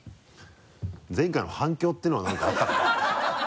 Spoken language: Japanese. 前回の反響っていうのは何かあったかな？